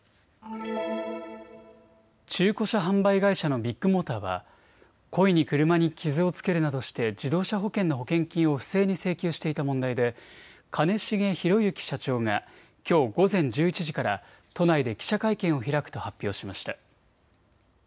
中古車販売会社のビッグモーターは故意に車に傷をつけるなどして自動車保険の保険金を不正に請求していた問題で兼重宏行社長がきょう午前１１時から都内で記者会見を開くと発表しました。